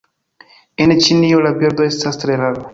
En Ĉinio la birdo estas tre rara.